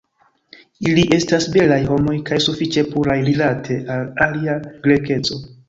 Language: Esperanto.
Ili estas belaj homoj, kaj sufiĉe puraj rilate al ilia Grekeco.